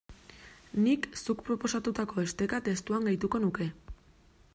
Nik zuk proposatutako esteka testuan gehituko nuke.